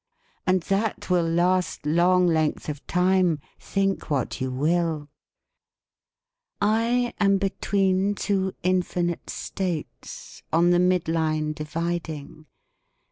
And that will last long length of time, think what you will! I am between two infinite states on the mid line dividing.